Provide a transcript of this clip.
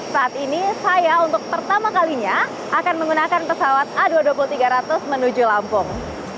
saat ini saya untuk pertama kalinya akan menggunakan pesawat a dua ratus dua puluh tiga ratus menuju lampung